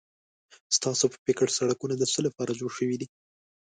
ستاسو په فکر سړکونه د څه لپاره جوړ شوي دي؟